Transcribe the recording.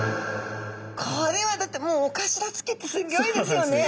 これはだってもうおかしらつきってすっギョいですよね。